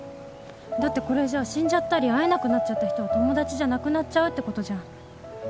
だってこれじゃ死んじゃったり会えなくなっちゃった人は友達じゃなくなっちゃうってことじゃん